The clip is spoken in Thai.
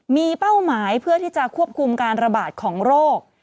มีเป้าหมายเพื่อที่จะควบคุมการระบาดของโรค